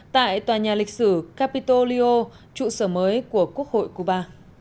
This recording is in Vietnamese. tại tòa nhà lịch sử capitolio trụ sở mới của quốc hội cuba